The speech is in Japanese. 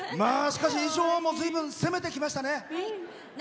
しかし、衣装もずいぶん攻めてきましたね。